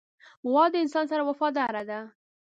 غوا د انسان سره وفاداره ده.